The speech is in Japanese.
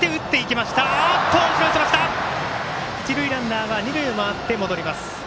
一塁ランナーは二塁を回って戻ります。